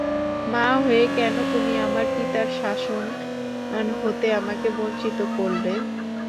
মা হয়ে কেন তুমি আমার পিতার শাসন হতে আমাকে বঞ্চিত করলে।